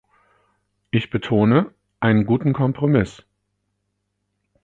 Ich betone, einen guten Kompromiss.